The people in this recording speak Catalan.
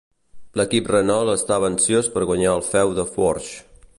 L'equip Renault estava ansiós per guanyar al feu de Porsche.